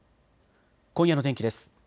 今夜の天気です。